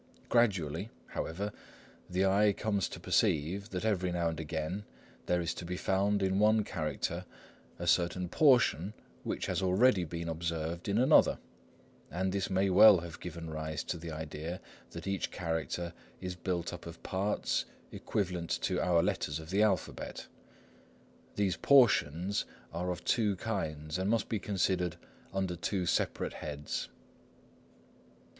Gradually, however, the eye comes to perceive that every now and again there is to be found in one character a certain portion which has already been observed in another, and this may well have given rise to the idea that each character is built up of parts equivalent to our letters of the alphabet. These portions are of two kinds, and must be considered under two separate heads.